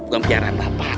bukan piaraan bapak